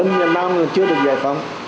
những người dân việt nam chưa được giải phóng